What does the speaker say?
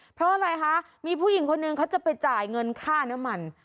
เพราะอะไรคะมีผู้หญิงคนหนึ่งเขาจะไปจ่ายเงินค่าน้ำมัน